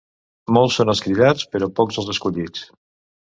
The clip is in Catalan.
Molts són els cridats, però pocs els escollits.